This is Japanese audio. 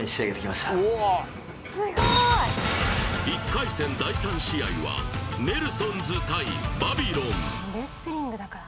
１回戦第３試合はネルソンズ対バビロン